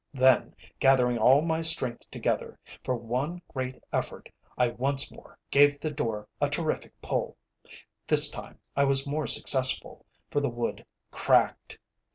Then, gathering all my strength together, for one great effort, I once more gave the door a terrific pull. This time I was more successful, for the wood cracked.